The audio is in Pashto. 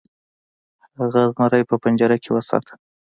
هغه زمری په پنجره کې وساته.